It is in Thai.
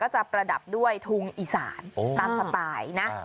จะประดับด้วยทุงอีสานตามสไตล์นะ